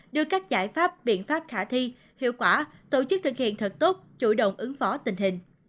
đưa các giải pháp biện pháp khả thi hiệu quả tổ chức thực hiện thật tốt chủ động ứng phó tình hình